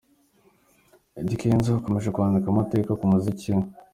Eddy Kenzo akomeje kwandika amateka mu muziki we.